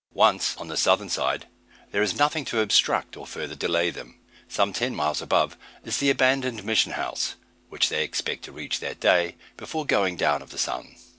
Once on the southern side, there is nothing to obstruct or further delay them. Some ten miles above is the abandoned mission house, which they expect to reach that day, before going down of the sun.